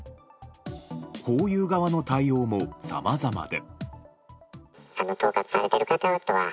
ホーユー側の対応もさまざまで。